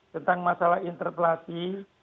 tentang masalah interpelasi